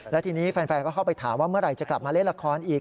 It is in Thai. แล้วทีนี้แฟนก็เข้าไปถามว่าเมื่อไหร่จะกลับมาเล่นละครอีก